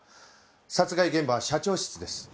殺害現場は社長室です。